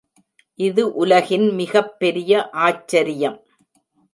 இது உலகின் மிகப்பெரிய ஆச்சரியம்!